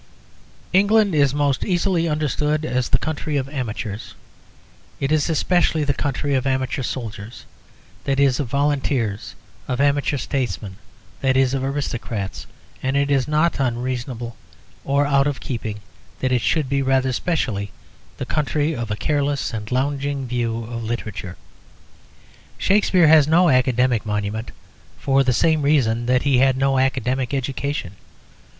England is most easily understood as the country of amateurs. It is especially the country of amateur soldiers (that is, of Volunteers), of amateur statesmen (that is, of aristocrats), and it is not unreasonable or out of keeping that it should be rather specially the country of a careless and lounging view of literature. Shakspere has no academic monument for the same reason that he had no academic education.